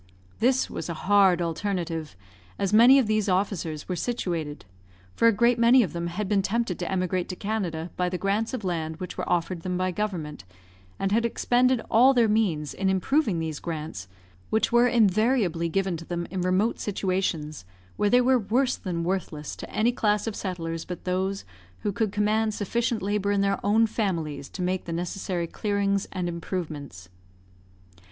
This was a hard alternative, as many of these officers were situated; for a great many of them had been tempted to emigrate to Canada by the grants of land which were offered them by government, and had expended all their means in improving these grants, which were invariably given to them in remote situations, where they were worse than worthless to any class of settlers but those who could command sufficient labour in their own families to make the necessary clearings and improvements.